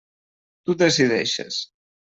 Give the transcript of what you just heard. Tu decideixes.